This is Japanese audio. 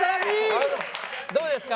どうですか？